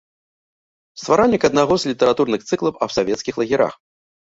Стваральнік аднаго з літаратурных цыклаў аб савецкіх лагерах.